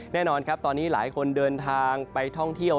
แน่นอนครับตอนนี้หลายคนเดินทางไปท่องเที่ยว